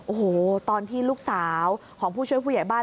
โอ้โหตอนที่ลูกสาวของผู้ช่วยผู้ใหญ่บ้าน